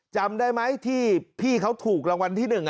จำได้ไหมที่พี่เขาถูกรางวัลที่๑